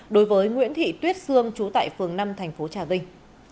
đối với nguyễn thị tuyết xương chú tại phường năm thành phố trà vinh